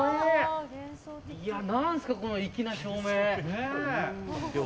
何ですか、この粋な照明。